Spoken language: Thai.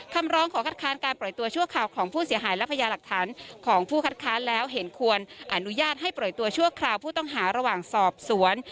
คำร้องขอคัดค้านการปล่อยตัวชั่วคราวของผู้เสียหายและพยาหลักฐานของผู้คัดค้านแล้วเห็นควรอนุญาตให้ปล่อยตัวชั่วคราวผู้ต้องหาระหว่างสอบสวน